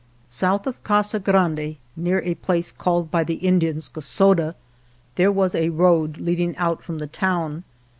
South of Casa Grande, near a place called by the Indians Gosoda, there was a road leading out from the town.